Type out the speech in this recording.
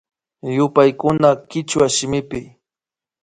Yupaykuna kichwa shimipi